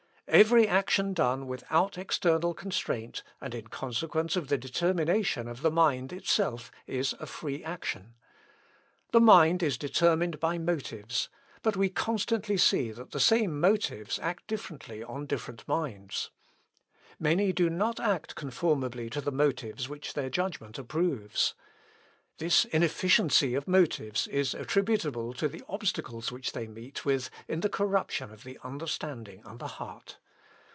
Every action done without external constraint, and in consequence of the determination of the mind itself, is a free action. The mind is determined by motives, but we constantly see that the same motives act differently on different minds. Many do not act conformably to the motives which their judgment approves. This inefficiency of motives is attributable to the obstacles which they meet with in the corruption of the understanding and the heart.